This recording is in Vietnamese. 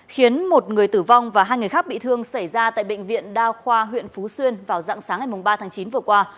khiến một người tử vong và hai người khác bị thương xảy ra tại bệnh viện đa khoa huyện phú xuyên vào dạng sáng ngày ba tháng chín vừa qua